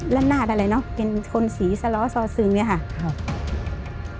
ละนาดอะไรเนอะเป็นคนสีสล้อซอซึงเนี่ยค่ะครับ